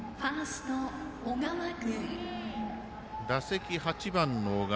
打席、８番の小川。